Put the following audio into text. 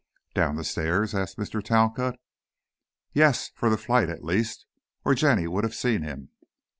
"Down the stairs?" asked Mr. Talcott. "Yes, for the flight, at least, or Jenny would have seen him.